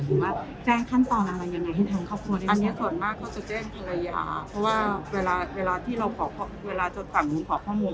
หรือว่าแจ้งขั้นตอนอะไรยังไงให้ทางครอบครัวได้อันนี้ส่วนมากเขาจะแจ้งภรรยาเพราะว่าเวลาเวลาที่เราขอเวลาจนฝั่งนู้นขอข้อมูล